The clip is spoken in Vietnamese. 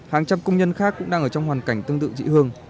hàng trăm công nhân khác cũng đang ở trong hoàn cảnh tương tự chị hương